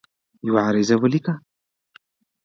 یوه عریضه ولیکله.